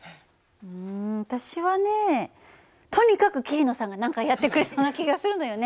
うん私はねとにかく桐野さんが何かやってくれそうな気がするのよね。